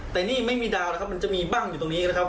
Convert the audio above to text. แต่นี่ไม่มีดาวนะครับมันจะมีบ้างอยู่ตรงนี้นะครับ